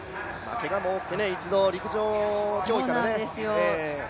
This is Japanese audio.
けがも多くて一度陸上競技からもね。